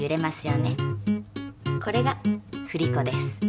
これが振り子です。